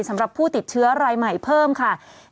สำหรับผู้ติดเชื้อรายใหม่เพิ่มค่ะ